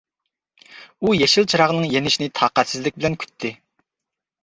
ئۇ يېشىل چىراغنىڭ يېنىشىنى تاقەتسىزلىك بىلەن كۈتتى.